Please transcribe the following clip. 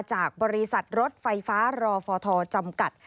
จากบริษัทรถไฟฟ้ารอฟทจำกัด